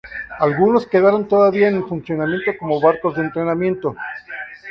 Algunos quedaron todavía en funcionamiento como barcos de entrenamiento.